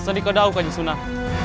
sudah dikodaukan sunah